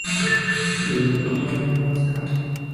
Dirigido por Carolina Lesaca.